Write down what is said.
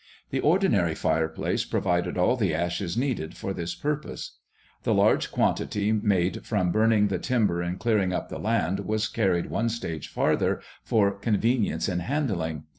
The ordinary fire place provided all the ashes needed for this purpose. The large quantity made from burning the timber in clearing up the land was carried one stage farther for convenience in handling.